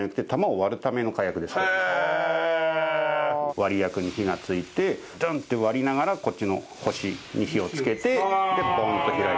割薬に火がついてドンッて割りながらこっちの星に火をつけてボンと開く。